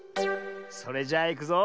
それじゃあいくぞ。